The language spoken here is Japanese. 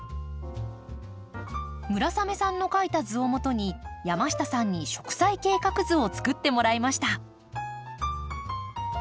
村雨さんの描いた図をもとに山下さんに植栽計画図をつくってもらいました。